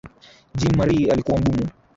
Jean-marie alikuwa mgumu